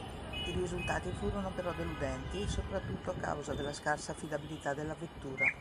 I risultati furono però deludenti, soprattutto a causa della scarsa affidabilità della vettura.